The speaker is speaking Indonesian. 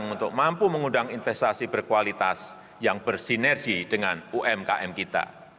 untuk mampu mengundang investasi berkualitas yang bersinergi dengan umkm kita